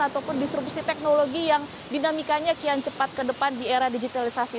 ataupun disrupsi teknologi yang dinamikanya kian cepat ke depan di era digitalisasi